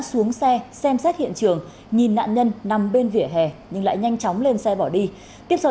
xuống xe xem xét hiện trường nhìn nạn nhân nằm bên vỉa hè nhưng lại nhanh chóng lên xe bỏ đi tiếp sau